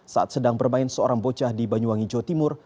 saat sedang bermain seorang bocah di banyuwangi jawa timur